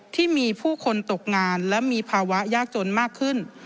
ที่มีผู้คนตกงานและมีภาวะยากจนมากขึ้น